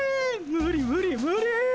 無理無理無理！